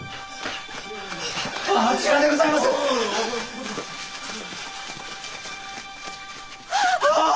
あちらでございます！ああ。